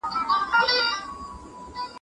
معیارونه باید په نظر کي ونیول سي.